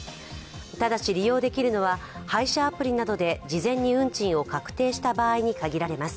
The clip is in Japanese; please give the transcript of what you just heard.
ただし、利用できるのは配車アプリなどで事前に運賃を確定した場合に限られます。